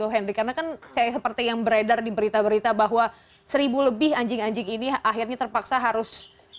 karena kan saya seperti yang beredar di berita berita bahwa seribu lebih anjing anjing ini akhirnya terpaksa harus